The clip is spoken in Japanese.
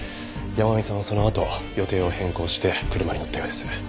山神さんはそのあと予定を変更して車に乗ったようです。